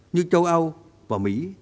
như châu âu và mỹ